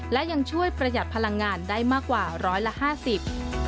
และยังช่วยประหยัดพลังงานได้มากกว่าร้อยละห้าสิบ